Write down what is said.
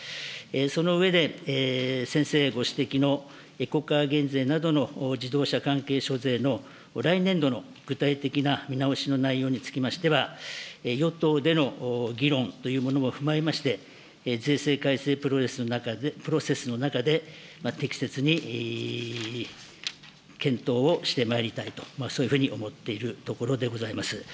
その上で、先生ご指摘のエコカー減税などの自動車関係諸税の来年度の具体的な見直しの内容につきましては、与党での議論というものも踏まえまして、税制改正プロセスの中で適切に検討をしてまいりたいと、そういうふうに思っているところでございます。